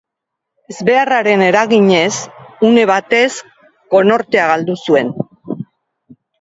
Ezbeharraren eraginez, une batez konortea galdu zuen.